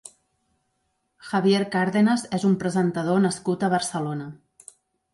Javier Càrdenas és un presentador nascut a Barcelona.